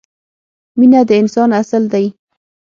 مینه د انسان اصل دی.